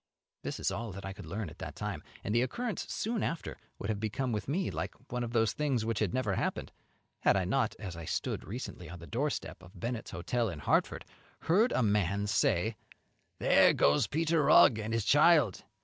This is all that I could learn at that time; and the occurrence soon after would have become with me like one of those things which had never happened, had I not, as I stood recently on the doorstep of Bennett's Hotel in Hartford, heard a man say, "There goes Peter Rugg and his child!